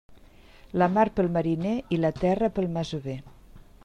La mar pel mariner i la terra pel masover.